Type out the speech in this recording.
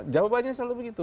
jawabannya selalu begitu